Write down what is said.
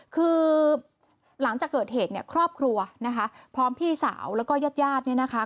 คือหลังจากเกิดเหตุเนี่ยครอบครัวนะคะพร้อมพี่สาวแล้วก็ญาติญาติเนี่ยนะคะ